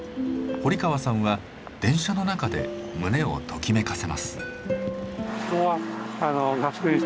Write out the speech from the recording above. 堀川さんは電車の中で胸をときめかせます。